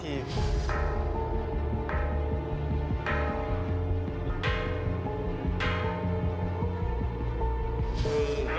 ๕ทีนะครับ